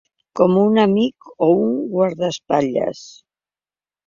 Com un amic, o un guardaespatlles